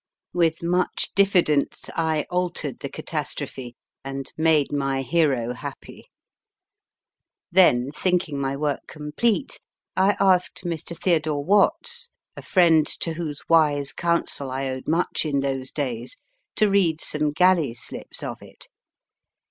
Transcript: With much diffidence I altered the catastrophe and made my hero happy. Then, thinking my work complete, T asked Mr. Theodore Watts (a friend to whose wise counsel I owed much in those days) to read some galley slips of it.